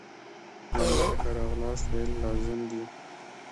مېلمه ته ښه راغلاست ویل لازم دي.